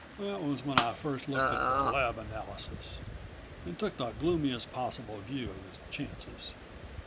"That was when I first looked at the lab analysis and took the gloomiest possible view of his chances.